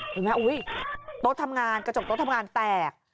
คือที่คุณผู้ชมเห็น